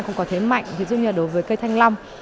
không có thế mạnh ví dụ như đối với cây thanh long